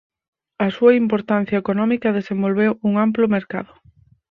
A súa importancia económica desenvolveu un amplo mercado.